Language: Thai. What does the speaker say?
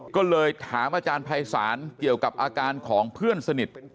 ก็เลยถามอาจารย์ภัยศาลเกี่ยวกับอาการของเพื่อนสนิท